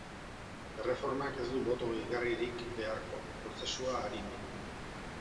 Erreformak ez du boto gehigarririk beharko, prozesua arinduz.